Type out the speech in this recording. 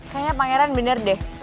kayaknya pangeran bener deh